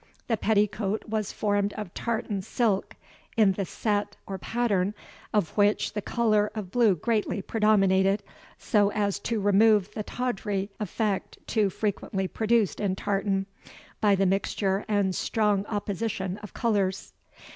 The petticoat was formed of tartan silk, in the sett, or pattern, of which the colour of blue greatly predominated, so as to remove the tawdry effect too frequently produced in tartan, by the mixture and strong opposition of colours.